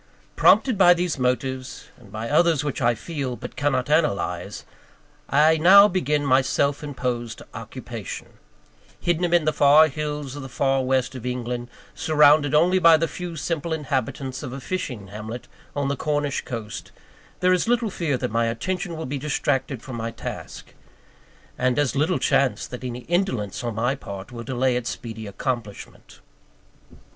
Prompted by these motives, and by others which I feel, but cannot analyse, I now begin my self imposed occupation. Hidden amid the far hills of the far West of England, surrounded only by the few simple inhabitants of a fishing hamlet on the Cornish coast, there is little fear that my attention will be distracted from my task; and as little chance that any indolence on my part will delay its speedy accomplishment.